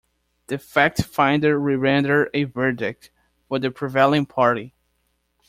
The fact-finder will render a verdict for the prevailing party.